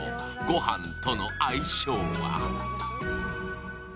ごはんとの相性は？